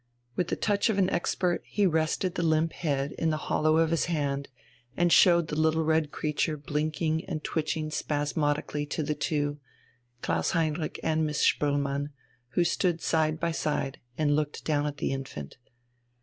With the touch of an expert he rested the limp head in the hollow of his hand and showed the little red creature blinking and twitching spasmodically to the two Klaus Heinrich and Miss Spoelmann, who stood side by side and looked down at the infant.